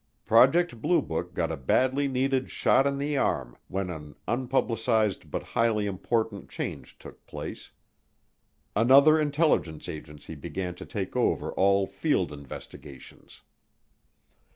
Project Blue Book got a badly needed shot in the arm when an unpublicized but highly important change took place: another intelligence agency began to take over all field investigations.